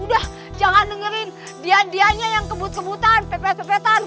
udah jangan dengerin dian dianya yang kebut kebutan pepet pepetan